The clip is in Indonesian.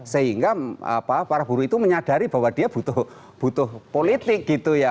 sehingga para buruh itu menyadari bahwa dia butuh politik gitu ya